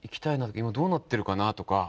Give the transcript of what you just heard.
今どうなってるかな？とか。